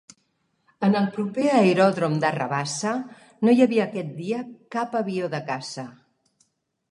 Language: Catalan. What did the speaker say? En el proper aeròdrom de Rabassa no hi havia aquest dia cap avió de caça.